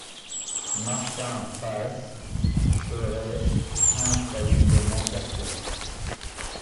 Martin Paz serait infailliblement capturé.